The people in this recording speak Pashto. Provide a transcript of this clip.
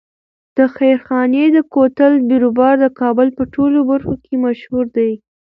د خیرخانې د کوتل بیروبار د کابل په ټولو برخو کې مشهور دی.